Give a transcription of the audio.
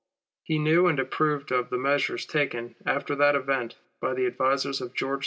He knew and approved of the measures taken after that event by the advisers of George IV.